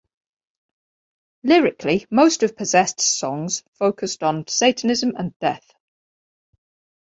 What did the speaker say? Lyrically, most of Possessed's songs focused on Satanism and death.